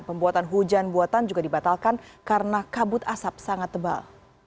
pembuatan hujan buatan juga dibatalkan karena kabut asap sangat tebal